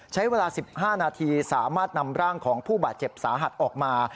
ใช้เวลา๑๕นาทีสามารถนำร่างของผู้บาดเจ็บสาหัสออกมา